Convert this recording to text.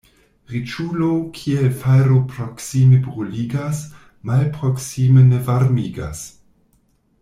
Riĉulo kiel fajro proksime bruligas, malproksime ne varmigas.